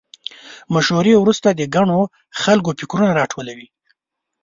مشورې وروسته د ګڼو خلکو فکرونه راټول وي.